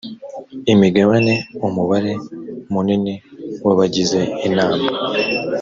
imigabane umubare munini w abagize inama